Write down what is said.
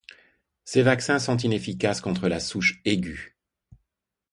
Ces vaccins sont inefficaces contre la souche aiguë.